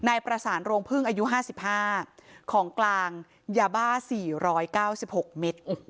ในประสานโรงพึ่งอายุห้าสิบห้าของกลางยาบ้าสี่ร้อยเก้าสิบหกเมตรโอ้โห